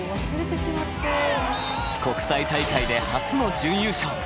国際大会で初の準優勝。